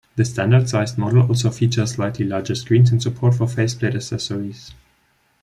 The standard-sized model also features slightly larger screens, and support for faceplate accessories.